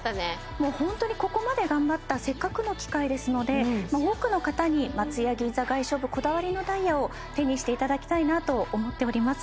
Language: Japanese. もうホントにここまで頑張ったせっかくの機会ですので多くの方に松屋銀座外商部こだわりのダイヤを手にしていただきたいなと思っております